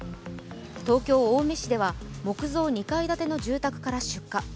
東京・青梅市では木造２階建ての住宅から出火。